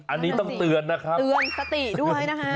อันนี้ต้องเตือนนะครับเตือนสติด้วยนะคะ